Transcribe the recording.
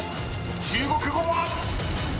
［中国語は⁉］